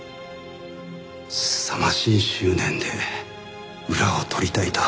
すさまじい執念で「裏を取りたい」と。